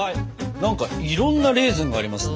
何かいろんなレーズンがありますね。